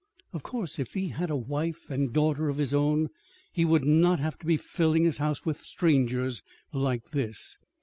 Of course, if he had a wife and daughter of his own, he would not have to be filling his house with strangers like this.